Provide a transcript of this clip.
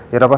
ya dah pak